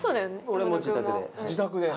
俺も自宅で。